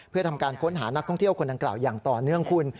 เพื่อทำการค้นหานักท่องเที่ยวคนดังกล่าวอย่างต่อเนื่องคุณ